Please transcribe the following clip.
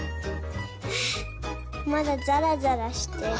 あまだざらざらしてる。